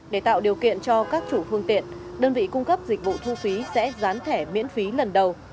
để tạo điều kiện cho các chủ phương tiện đơn vị cung cấp dịch vụ thu phí sẽ rán thẻ miễn phí lần đầu